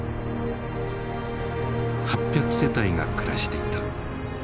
８００世帯が暮らしていた。